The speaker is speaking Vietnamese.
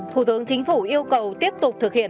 thủ tướng chính phủ yêu cầu tiếp tục thực hiện